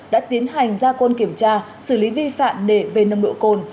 đã tiến hành gia quân kiểm tra xử lý vi phạm nể về nông độ cồn